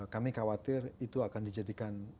kami khawatir itu akan dijadikan